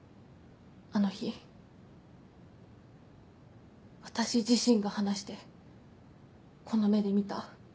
あの日私自身が話してこの目で見た。